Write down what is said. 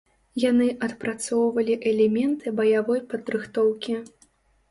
Яны адпрацоўвалі элементы баявой падрыхтоўкі.